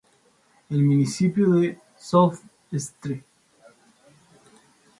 El municipio de South St.